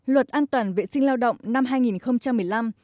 luật an toàn vệ sinh lao động năm hai nghìn một mươi năm